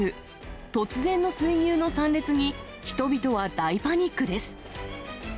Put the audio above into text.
突然の水牛の参列に、人々は大パニックです。